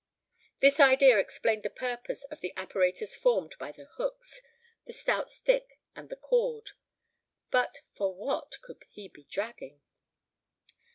This idea explained the purpose of the apparatus formed by the hooks, the stout stick, and the cord:—but for what could he be dragging?